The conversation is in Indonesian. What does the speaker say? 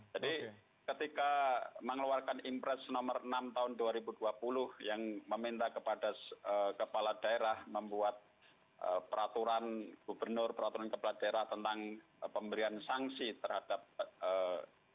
jadi ketika mengeluarkan impres nomor enam tahun dua ribu dua puluh yang meminta kepada kepala daerah membuat peraturan gubernur peraturan kepala daerah tentang pemberian sanksi terhadap masyarakat yang memiliki